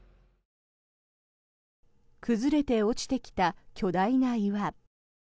崩れて落ちてきた巨大な岩。